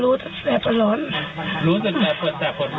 รู้สึกแปลกประหวัดน้อย